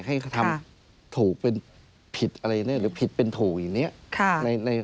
ให้ทำถูกเป็นผิดอะไรเนี่ยหรือผิดเป็นถูกอย่างนี้